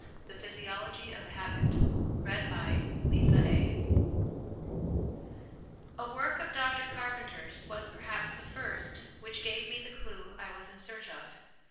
THE PHYSIOLOGY OF HABIT A work of Dr Carpenter's was perhaps the first which gave me the clue I was in search of.